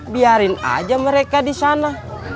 biarin aja mereka di sana